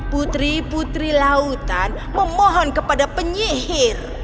putri putri lautan memohon kepada penyihir